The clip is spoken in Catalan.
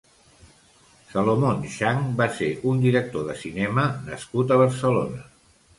Salomón Shang va ser un director de cinema nascut a Barcelona.